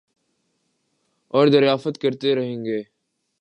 اوردریافت کرتے رہیں گے